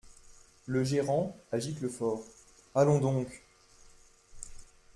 Le Gérant, à Giclefort. — Allons donc ?